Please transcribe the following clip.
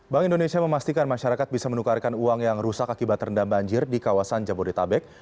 bank indonesia memastikan masyarakat bisa menukarkan uang yang rusak akibat terendam banjir di kawasan jabodetabek